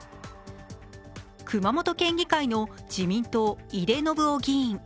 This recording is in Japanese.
熊本県議会の自民党、井手順雄議員。